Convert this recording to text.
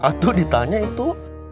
aduh ditanya itu